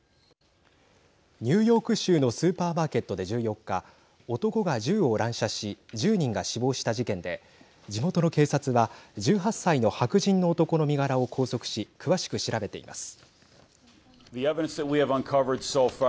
ニューヨーク州のスーパーマーケットで１４日男が銃を乱射し１０人が死亡した事件で地元の警察は１８歳の白人の男の身柄を拘束し詳しく調べています。